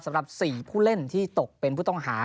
สำหรับ๔ผู้เล่นที่ตกเป็นผู้ต้องหา